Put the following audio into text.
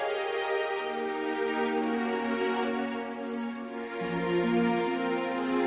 aku tidak bisa mengeluh